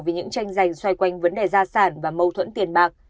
vì những tranh giành xoay quanh vấn đề gia sản và mâu thuẫn tiền bạc